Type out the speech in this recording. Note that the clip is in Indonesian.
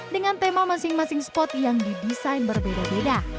dengan tema masing masing spot yang didesain berbeda beda